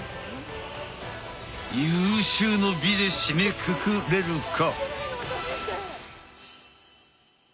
有終の美で締めくくれるか？